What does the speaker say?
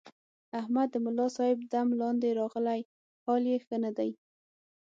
احمد د ملاصاحب دم لاندې راغلی، حال یې ښه نه دی.